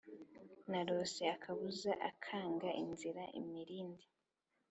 narose akabuza akanga inzira imirindi